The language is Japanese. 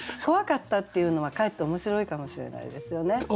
怖かったっていうのはかえって面白いかもしれないですよね。